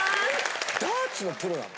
ダーツのプロなの？